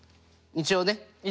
一応ね。